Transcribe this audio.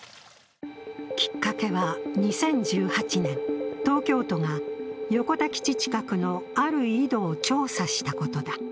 きっかけは２０１８年、東京都が横田基地近くのある井戸を調査したことだ。